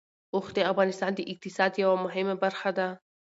اوښ د افغانستان د اقتصاد یوه مهمه برخه ده.